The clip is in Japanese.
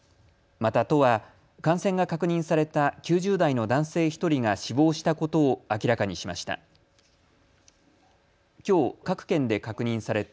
また都は感染が確認された９０代の男性１人が死亡したことを明らかにしました。